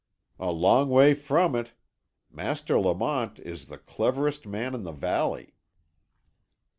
"A long way from it. Master Lamont is the cleverest man in the valley."